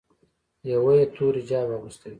یوه یې تور حجاب اغوستی و.